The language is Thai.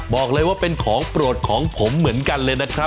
บอกเลยว่าเป็นของโปรดของผมเหมือนกันเลยนะครับ